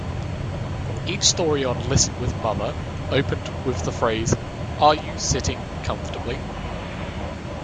Each story on "Listen with Mother" opened with the phrase "Are you sitting comfortably?